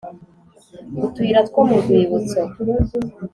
utuyira two mu rwibutso